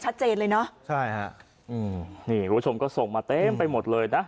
ชัดเจนเลยเนอะใช่ฮะอืมนี่คุณผู้ชมก็ส่งมาเต็มไปหมดเลยนะ